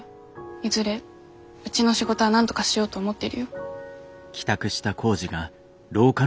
いずれうちの仕事はなんとかしようと思ってるよ。